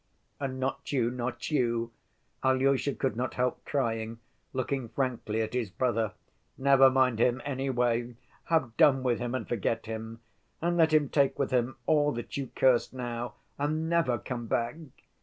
"And not you, not you?" Alyosha could not help crying, looking frankly at his brother. "Never mind him, anyway; have done with him and forget him. And let him take with him all that you curse now, and never come back!"